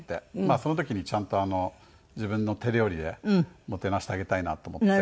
その時にちゃんと自分の手料理でもてなしてあげたいなと思って。